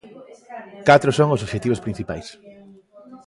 Catro son os obxectivos principais.